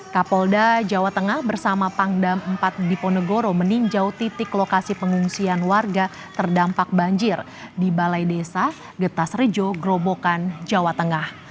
kapolda jawa tengah bersama pangdam empat diponegoro meninjau titik lokasi pengungsian warga terdampak banjir di balai desa getas rejo grobokan jawa tengah